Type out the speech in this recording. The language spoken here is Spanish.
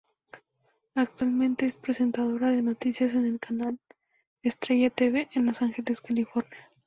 Actualmente es presentadora de noticias en el canal Estrella tv en Los Ángeles, California.